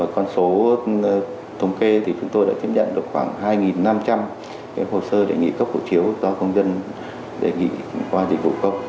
con số thống kê thì chúng tôi đã tiếp nhận được khoảng hai năm trăm linh hồ sơ đề nghị cấp hộ chiếu do công dân đề nghị qua dịch vụ công